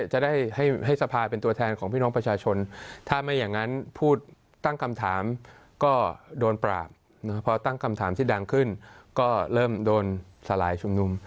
จะได้ให้สภาเป็นตัวแทนของพี่น้องประชาชนถ้าไม่อย่างนั้นพูดตั้งคำถามก็โดนปราบพอตั้งคำถามที่ดังขึ้นก็เริ่มโดนสลายชุมนุม